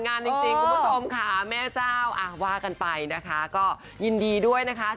น้องตั้งกล้องแล้วจับเวลาเลยรีบวิ่ง